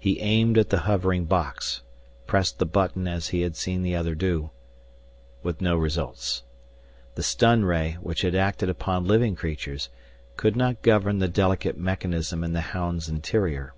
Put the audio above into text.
He aimed at the hovering box, pressed the button as he had seen the other do, with no results. The stun ray, which had acted upon living creatures, could not govern the delicate mechanism in the hound's interior.